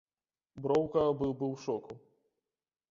Броўка быў бы ў шоку.